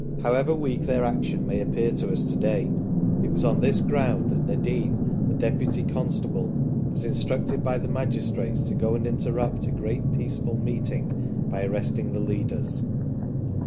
However weak their action may appear to us to day, it was on this ground that Nadin, the Deputy constable, was instructed by the magistrates to go and interrupt a great peaceful meeting by arresting the leaders.